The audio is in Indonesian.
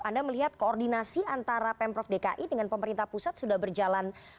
anda melihat koordinasi antara pemprov dki dengan pemerintah pusat sudah berjalan